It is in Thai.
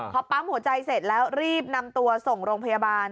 พอปั๊มหัวใจเสร็จแล้วรีบนำตัวส่งโรงพยาบาล